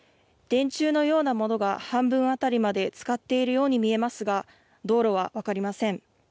電柱のようなものが半分辺りまでつかっているように見えますが、道路は分かりません。